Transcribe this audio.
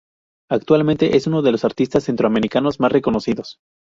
Actualmente es de los artistas centroamericanos más reconocidos.